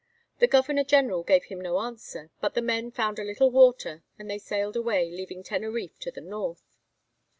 The governor general gave him no answer; but the men found a little water, and they sailed away, leaving Teneriffe to the north.